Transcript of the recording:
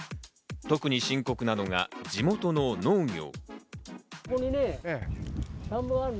特に深刻なのが地元の農業。